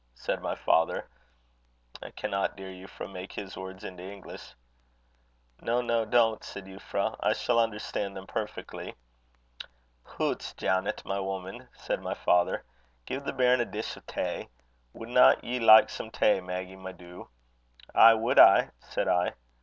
said my father I cannot, dear Euphra, make his words into English." "No, no, don't," said Euphra; "I shall understand them perfectly." "'Hoots! Janet, my woman!' said my father. 'Gie the bairn a dish o' tay. Wadna ye like some tay, Maggy, my doo?' 'Ay wad I,' said I.